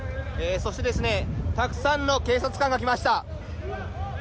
そしてたくさんの警察官が来ました。